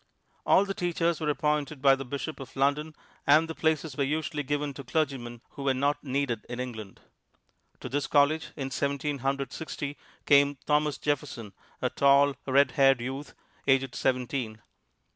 All the teachers were appointed by the Bishop of London, and the places were usually given to clergymen who were not needed in England. To this college, in Seventeen Hundred Sixty, came Thomas Jefferson, a tall, red haired youth, aged seventeen.